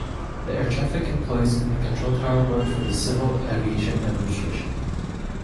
The air traffic employees in the control tower worked for the Civil Aviation Administration.